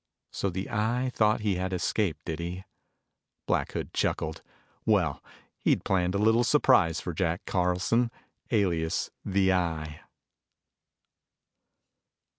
So the Eye thought he had escaped, did he? Black Hood chuckled. Well, he'd planned a little surprise for Jack Carlson, alias, the Eye!